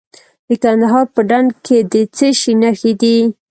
د کندهار په ډنډ کې د څه شي نښې دي؟